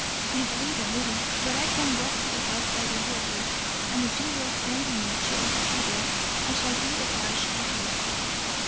I bleed a little, but I can walk to the house by the water; and, if you will send me a chair thither, I shall be obliged to you."